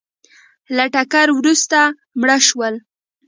له ټکر وروسته مړه شول